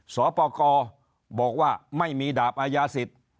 สอปกรบอกว่าไม่มีดาบอาญาสิทธิ์